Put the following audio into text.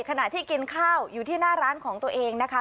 ขณะที่กินข้าวอยู่ที่หน้าร้านของตัวเองนะคะ